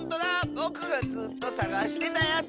ぼくがずっとさがしてたやつ！